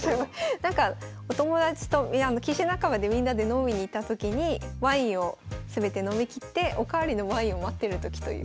なんかお友達と棋士仲間でみんなで飲みに行った時にワインを全て飲みきってお代わりのワインを待ってる時という。